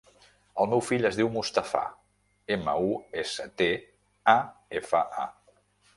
El meu fill es diu Mustafa: ema, u, essa, te, a, efa, a.